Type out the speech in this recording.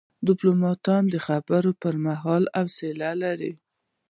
ډيپلومات د خبرو پر مهال حوصله لري.